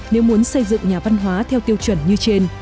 nếu muốn xây dựng nhà văn hóa theo tiêu chuẩn như trên